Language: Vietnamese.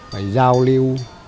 phải giao lưu